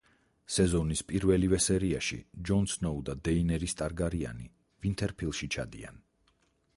სეზონის პირველივე სერიაში ჯონ სნოუ და დეინერის ტარგარიანი ვინთერფილში ჩადიან.